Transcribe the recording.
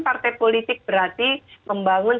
partai politik berarti membangun